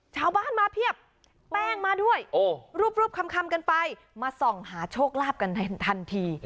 ชาวบ้านมาเพียบแป้งมาด้วยรูปคำกันไปมาส่องหาโชคลาภกันทันที